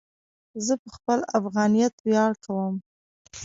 زه په خپل افغانیت ویاړ کوم.